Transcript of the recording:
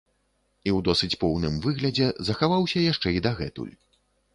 І ў досыць поўным выглядзе захаваўся яшчэ і дагэтуль.